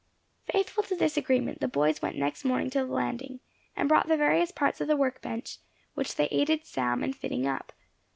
Faithful to this agreement, the boys went next morning to the landing, and brought the various parts of the work bench, which they aided Sam in fitting up.